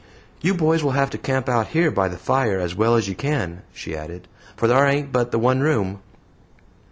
"You boys will have to camp out here by the fire as well as you can," she added, "for thar ain't but the one room."